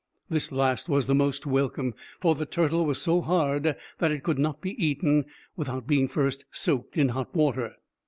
This last was the most welcome, for the turtle was so hard, that it could not be eaten without being first soaked in hot water.